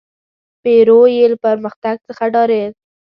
پیرو یې له پرمختګ څخه ډارېد.